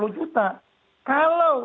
lima puluh juta kalau